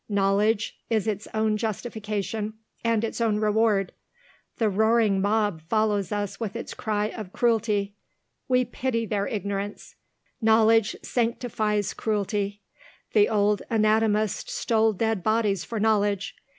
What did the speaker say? Knowledge is its own justification and its own reward. The roaring mob follows us with its cry of Cruelty. We pity their ignorance. Knowledge sanctifies cruelty. The old anatomist stole dead bodies for Knowledge.